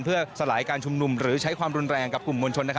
เพื่อสลายการชุมนุมหรือใช้ความรุนแรงกับกลุ่มมวลชน